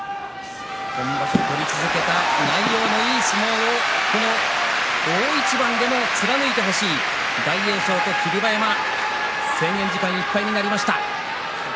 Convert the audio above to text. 今場所取り続けた内容のいい相撲をこの大一番でも貫いてほしい大栄翔と霧馬山制限時間いっぱいになりました。